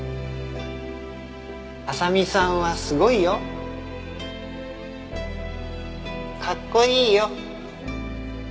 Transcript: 「麻未さんはすごいよ」「かっこいいよ」